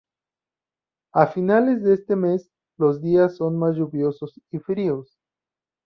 A finales de este mes los días son más lluviosos y fríos.